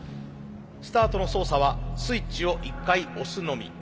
スタートの操作はスイッチを１回押すのみ。